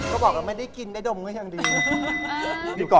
ก็บอกว่าไม่ได้กินได้ดมไว้อย่างดี